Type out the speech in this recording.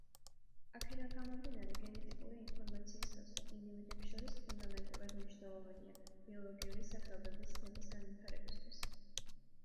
აქედან გამომდინარე, გენეტიკური ინფორმაციის გაცვლა ინდივიდებს შორის ფუნდამენტურად მნიშვნელოვანია ბიოლოგიური სახეობების ცნების განვითარებისთვის.